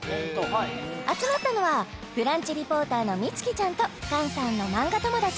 集まったのはブランチリポーターの美月ちゃんと菅さんのマンガ友達